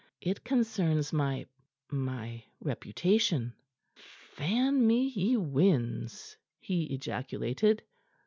It concerns my my reputation." "Fan me, ye winds!" he ejaculated.